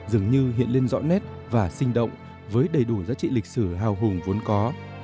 dường như hiện lên rõ nét và sinh động với đầy đủ giá trị lịch sử hào hùng vốn có